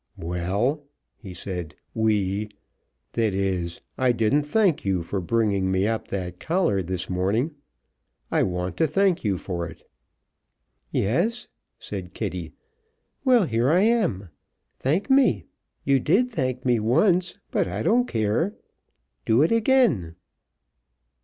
"Well," he said, "we that is, I didn't thank you for bringing me up that collar this morning. I want to thank you for it." "Yes?" said Kitty. "Well, here I am. Thank me. You did thank me once, but I don't care. Do it again."